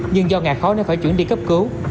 nhưng do ngạt khó nên phải chuyển đi cấp cứu